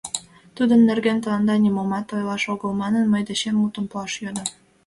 — Тудын нерген тыланда нимомат ойлаш огыл манын мый дечем мутым пуаш йодо.